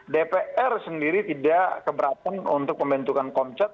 dpr sendiri tidak keberapun untuk membentukan komcat